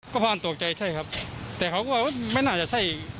ก็ผ่านตกใจใช่ครับแต่เขาก็ไม่น่าจะใช่